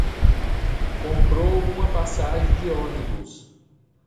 Comprou uma passagem de onibus